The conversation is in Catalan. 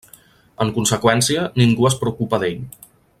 En conseqüència, ningú es preocupa d'ell.